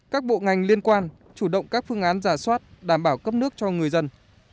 các bộ ngành liên quan chủ động các phương án giả soát đảm bảo cấp nước cho người dân